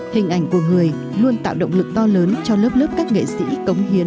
hình ảnh của người luôn tạo động lực to lớn cho lớp lớp các nghệ sĩ cống hiến